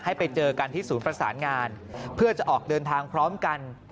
ไปเจอกันที่ศูนย์ประสานงานเพื่อจะออกเดินทางพร้อมกัน